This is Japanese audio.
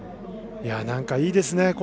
なんかいいですね。